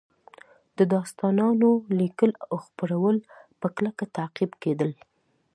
د داستانونو لیکل او خپرول په کلکه تعقیب کېدل